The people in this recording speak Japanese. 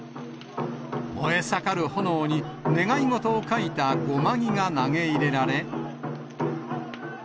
燃え盛る炎に願い事を書いた護摩木が投げ入れられ。